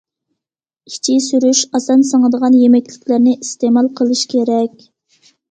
ئىچى سۈرۈش: ئاسان سىڭىدىغان يېمەكلىكلەرنى ئىستېمال قىلىش كېرەك.